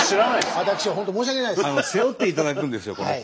私本当申し訳ないです。